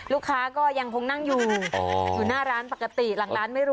ลูกค้าก็ยังคงนั่งอยู่อยู่หน้าร้านปกติหลังร้านไม่รู้